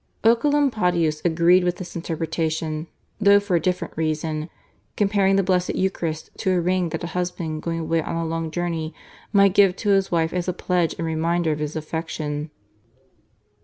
Oecolampadius agreed with this interpretation, though for a different reason, comparing the Blessed Eucharist to a ring that a husband going away on a long journey might give to his wife as a pledge and reminder of his affection.